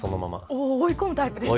おお追い込むタイプですね。